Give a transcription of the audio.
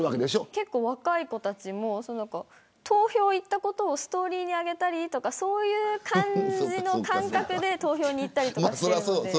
結構、若い子たちも投票行ったことをストーリーにあげたりとかそういう感じの感覚で投票に行ったりとかしているので。